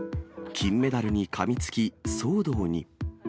金メダルにかみつき、騒動に。